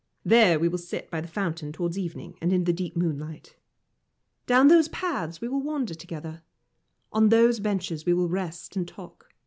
There we will sit by the fountain towards evening and in the deep moonlight. Down those paths we will wander together. On those benches we will rest and talk.